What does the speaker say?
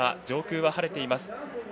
上空は晴れています。